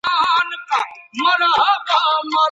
ايا د نکاح پر وخت ضروري معلومات تبادله کيږي؟